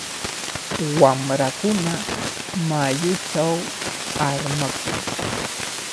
Wamrakuna mayuchaw armakun.